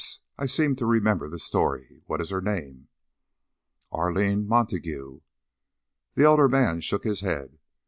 I seem to remember the story. What is her name?" "Arline Montague." The elder man shook his head.